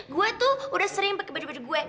gue tuh udah sering pake baju baju gue